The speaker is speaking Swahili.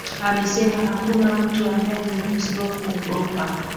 amesema hakuna mtu anayeruhusiwa kuogopa